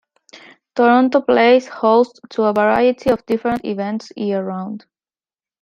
Toronto plays host to a variety of different events year-round.